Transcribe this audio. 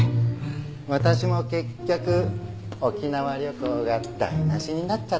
私も結局沖縄旅行が台無しになっちゃったからす。